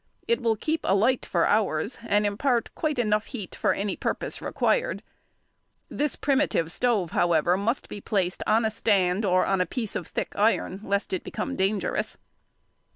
It will keep alight for hours, and impart quite enough heat for any purpose required. This primitive stove, however, must be placed on a stand or on a piece of thick iron, lest it become dangerous.